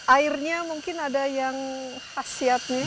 airnya mungkin ada yang khasiatnya